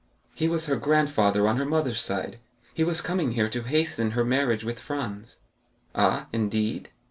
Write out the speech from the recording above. "He was her grandfather on the mother's side. He was coming here to hasten her marriage with Franz." "Ah, indeed!"